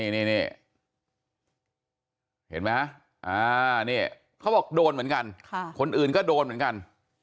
นี่เห็นไหมนี่เขาบอกโดนเหมือนกันคนอื่นก็โดนเหมือนกัน